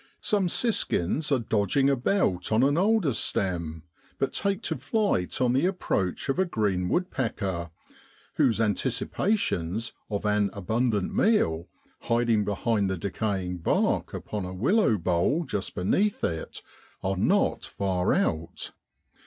Some siskins are dodging about on an alder stem, but take to flight on the approach 134 DECEMBER IN BROADLAND. of a green woodpecker, whose anticipations of an abundant meal, hiding behind the de caying bark upon a willow bole just beneath it, are not far out.